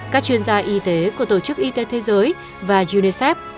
các chuyên gia y tế của tổ chức y tế thế giới và unicef